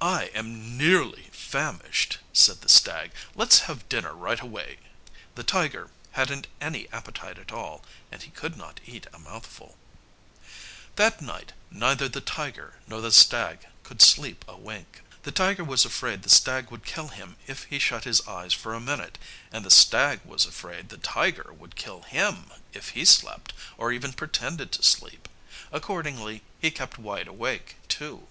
"I am nearly famished," said the stag. "Let's have dinner right away." The tiger hadn't any appetite at all and he could not eat a mouthful. That night neither the tiger nor the stag could sleep a wink. The tiger was afraid the stag would kill him if he shut his eyes for a minute, and the stag was afraid the tiger would kill him if he slept or even pretended to be asleep. Accordingly he kept wide awake too.